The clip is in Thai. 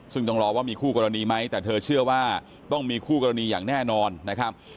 ซึ่งต้องรอว่ามีคู่กรณีไหมแต่เธอเชื่อว่าต้องมีคู่กรณีอย่างแน่นอนนะครับ